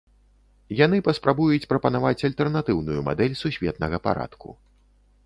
Яны паспрабуюць прапанаваць альтэрнатыўную мадэль сусветнага парадку.